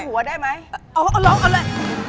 ยืมหัวได้มั้ย